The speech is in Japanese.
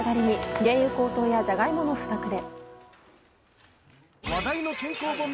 原油高騰やジャガイモの不足で。